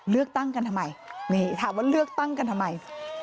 เลือกตั้งกันทำไมนี่ถามว่าเลือกตั้งกันทำไม